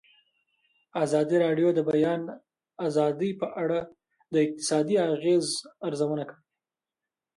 ازادي راډیو د د بیان آزادي په اړه د اقتصادي اغېزو ارزونه کړې.